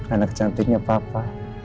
anak cantiknya papa